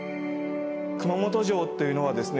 熊本城というのはですね